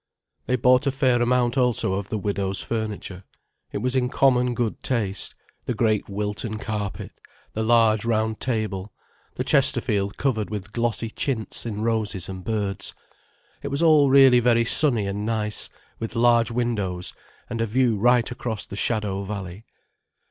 They bought a fair amount also of the widow's furniture. It was in common good taste—the great Wilton carpet, the large round table, the Chesterfield covered with glossy chintz in roses and birds. It was all really very sunny and nice, with large windows, and a view right across the shallow valley.